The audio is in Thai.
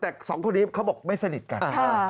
แต่สองคนนี้เขาบอกไม่สนิทกัน